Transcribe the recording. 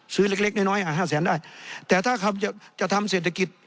ซื้อเล็กน้อยอ่ะ๕แสนได้แต่ถ้าเขาจะทำเศรษฐกิจ